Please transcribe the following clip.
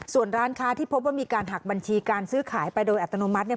ส่วนร้านค้าที่พบว่ามีการหักบัญชีการซื้อขายไปโดยอัตโนมัติเนี่ย